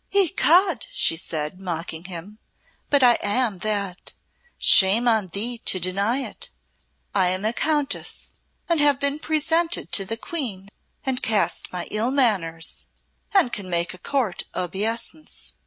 "Ecod!" she said, mocking him, "but I am that. Shame on thee to deny it. I am a Countess and have been presented to the Queen, and cast my ill manners, and can make a Court obeisance."